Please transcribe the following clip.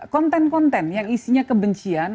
konten konten yang isinya kebencian